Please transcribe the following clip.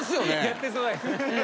やってそう。